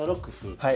はい。